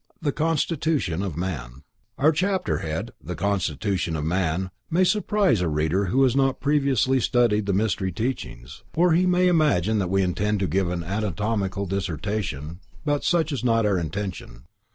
THE CONSTITUTION OF MAN Our chapter head, "the constitution of man," may surprise a reader who has not previously studied the Mystery teachings, or he may imagine that we intend to give an anatomical dissertation, but such is not our intention.